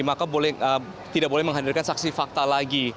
maka tidak boleh menghadirkan saksi fakta lagi